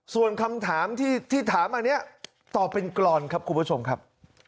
ส่วนคำถามที่ถามอันนี้ตอบเป็นกรอนครับคุณผู้ชมครับ